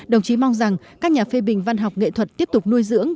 đồng chí mong rằng các nhà phê bình văn học nghệ thuật tiếp tục nuôi dưỡng